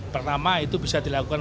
pertama itu bisa dilakukan